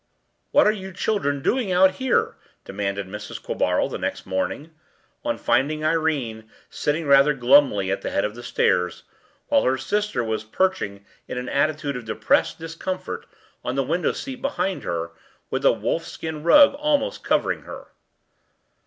“What are you children doing out here?” demanded Mrs. Quabarl the next morning, on finding Irene sitting rather glumly at the head of the stairs, while her sister was perched in an attitude of depressed discomfort on the window seat behind her, with a wolf skin rug almost covering her.